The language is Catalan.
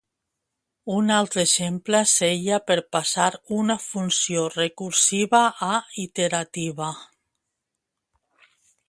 Un altre exemple seia per passar una funció recursiva a iterativa.